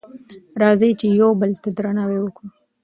راځئ چې یو بل ته درناوی وکړو.